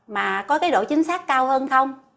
mà có cái độ chính xác cao hơn không